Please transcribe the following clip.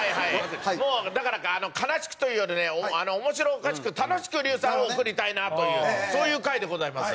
もうだから悲しくというよりね面白おかしく楽しく竜さんを送りたいなというそういう回でございます。